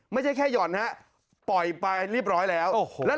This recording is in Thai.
ไม่ใช่แค่หย่อนโดดปล่อยไปนี่หมดแล้ว